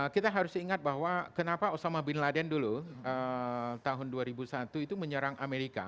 kita harus ingat bahwa kenapa osama bin laden dulu tahun dua ribu satu itu menyerang amerika